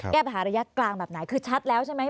แก้ปัญหาระยะกลางแบบไหนคือชัดแล้วใช่ไหม